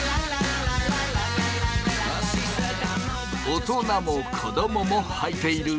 大人も子供もはいている